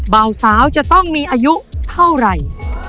เบาสาวจะต้องมีอายุเท่าไหร่